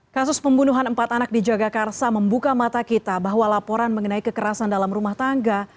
kasus pembunuhan empat anak di jagakarsa membuka mata kita bahwa laporan mengenai kekerasan dalam rumah tangga